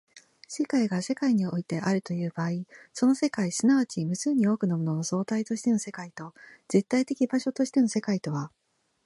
世界が世界においてあるという場合、その世界即ち無数に多くのものの総体としての世界と絶対的場所としての世界とは